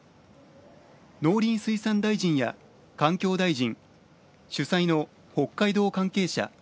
農林水産大臣や環境大臣主催の北海道関係者